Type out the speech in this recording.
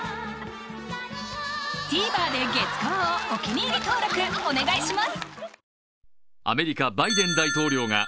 ＴＶｅｒで「月カワ」をお気に入り登録お願いします！